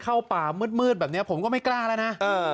เข้าป่ามืดแบบนี้ผมก็ไม่กล้าแล้วนะ